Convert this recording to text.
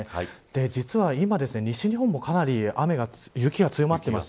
実は今、西日本もかなり雪が強まっています。